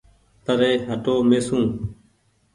پري هٽو ميسون